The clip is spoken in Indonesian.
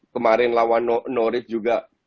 kemarin lawan norwich juga